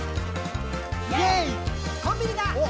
「コンビニだ！